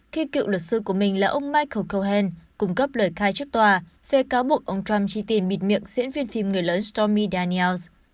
khi cựu luật sư của mình là ông michael cohen cung cấp lời khai trước tòa về cáo buộc ông trump chi tiền bịt miệng diễn viên phim người lớn stormy daniels